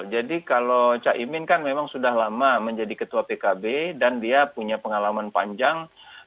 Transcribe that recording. jadi kalau cak imin kan memang sudah lama menjadi ketua pkb dan dia punya pengalaman panjang